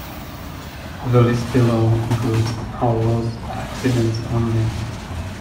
The list below includes hull-loss accidents only.